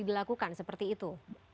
dilakukan seperti itu